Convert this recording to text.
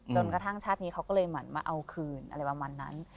กระทั่งชาตินี้เขาก็เลยเหมือนมาเอาคืนอะไรประมาณนั้น